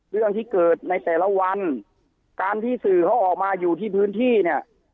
เรื่องที่เกิดในแต่ละวันการที่สื่อเขาออกมาอยู่ที่พื้นที่เนี่ย